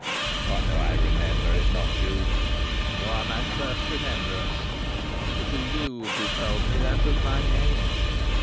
"What do I remember if not you? You are my first remembrance. It was you who told me that was my name.